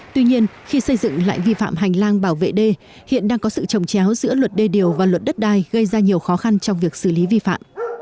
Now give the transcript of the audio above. tuy nhiên khi xây dựng lại vi phạm hành lang bảo vệ đê hiện đang có sự trồng chéo giữa luật đê điều và luật đất đai gây ra nhiều khó khăn trong việc xử lý vi phạm